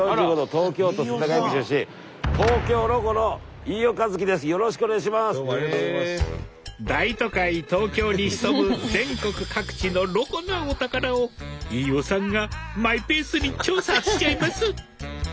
東京に潜む全国各地のロコなお宝を飯尾さんがマイペースに調査しちゃいます